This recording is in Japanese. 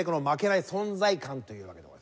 負けない存在感という。